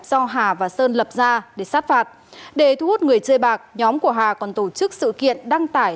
do hà và sơn lập ra để sát phạt để thu hút người chơi bạc nhóm của hà còn tổ chức sự kiện đăng tải